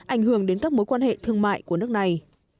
ảnh hưởng đến các mối quan hệ thương mại của nước này